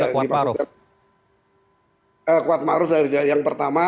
kwaad maruf yang pertama